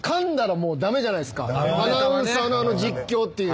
アナウンサーの実況っていう。